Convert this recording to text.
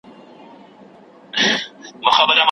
يو له بله يې وهلي وه جگړه وه